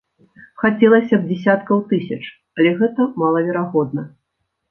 Хацелася б дзесяткаў тысяч, але гэта малаверагодна.